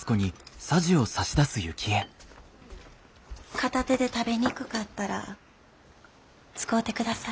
片手で食べにくかったら使うてください。